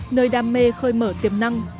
nơi đam mê khơi mở tiềm năng